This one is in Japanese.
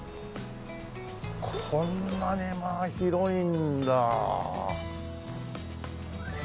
こんなにまあ広いんだ。